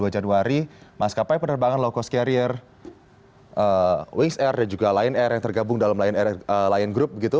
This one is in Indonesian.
dua puluh dua januari maskapai penerbangan low cost carrier wis air dan juga lion air yang tergabung dalam lion group begitu